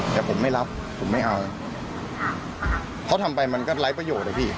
แต่ผมไม่รับผมไม่เอาครับเขาทำไปมันก็ร้ายประโยชน์เลยพี่